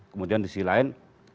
kemudian di sisi lain